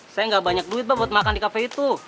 saya gak banyak duit pak buat makan di kafe itu